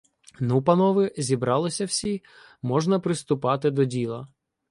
— Ну, панове, зібралися всі — можна приступати до діла.